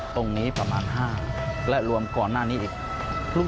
ตรงนี้ประมาณ๕และรวมก่อนหน้านี้อีก